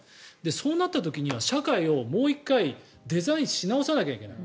そうなった時には社会をもう１回デザインし直さなきゃいけない。